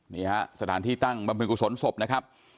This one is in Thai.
นี่ฮะสถานที่ตั้งบำเพ็ญกุศลศพนะครับ